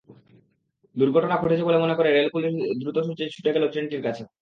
দুর্ঘটনা ঘটেছে মনে করে রেল পুলিশ দ্রুত ছুটে গেল ট্রেনটির কাছে।